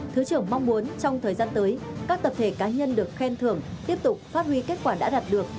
thứ trưởng mong muốn trong thời gian tới các tập thể cá nhân được khen thưởng tiếp tục phát huy kết quả đã đạt được